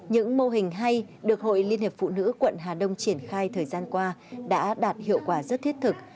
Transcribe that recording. những mô hình hay được hội liên hiệp phụ nữ quận hà đông triển khai thời gian qua đã đạt hiệu quả rất thiết thực